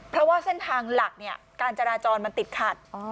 เพราะว่าเส้นทางหลักเนี่ยการจราจรมันติดขัด